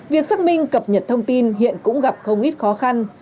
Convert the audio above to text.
việc xác minh cập nhật thông tin hiện cũng gặp không ít khó khăn